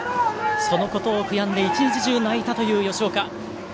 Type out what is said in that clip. そのことを悔やんで１日中泣いたという吉岡。